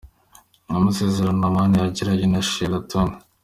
Amasezerano Amani yagiranye na Shilla Tony.